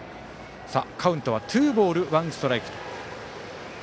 カウントはツーボールワンストライク。